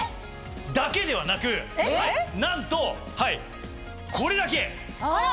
だけではなくなんとはいこれだけ！